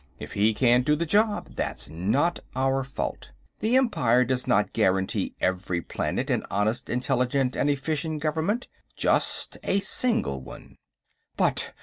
If he can't do the job, that's not our fault. The Empire does not guarantee every planet an honest, intelligent and efficient government; just a single one." "But...."